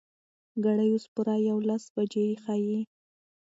ګړۍ اوس پوره يولس بجې ښيي.